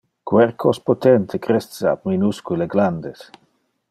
Quercos potente cresce ab minuscule glandes.